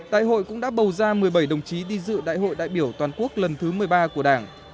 đại hội cũng đã bầu ra một mươi bảy đồng chí đi dự đại hội đại biểu toàn quốc lần thứ một mươi ba của đảng